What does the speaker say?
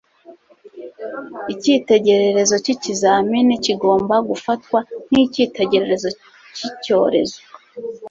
icyitegererezo cyikizamini kigomba gufatwa nk 'icyitegererezo cy’icyorezo.